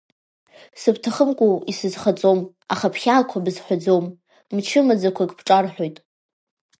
Сыбҭахымкәуоу, исызхаҵом, аха бхьаақәа бызҳәаӡом, мчы маӡақәак бҿарҳәоит…